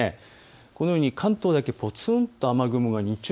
このように関東だけぽつんと雨。